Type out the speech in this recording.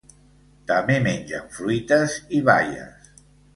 També mengen fruites i baies.